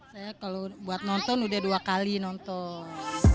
saya kalau buat nonton udah dua kali nonton